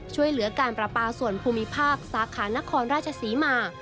ช่วยเหลือการประปาส่วนภูมิภาคสาขานครราชศรีมา